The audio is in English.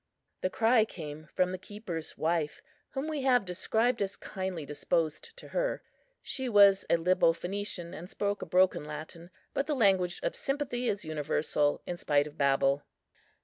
The cry came from the keeper's wife, whom we have described as kindly disposed to her. She was a Lybo Phœnician, and spoke a broken Latin; but the language of sympathy is universal, in spite of Babel.